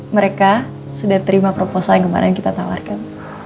mereka sudah terima proposal yang kemarin kita tawarkan